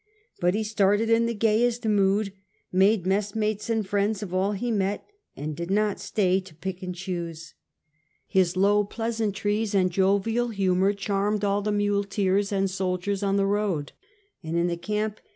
But he started in the gayest mood, made messmates and friends of all he met, and did not stay to pick and choose. His low pleasantries and jovial humour charmed all the muleteers and soldiers on the road, and in the camp he was hearty and 134 The Earlier Empire, A,D.